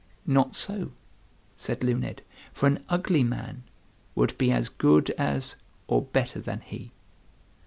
"Not so," said Luned, "for an ugly man would be as good as or better than he."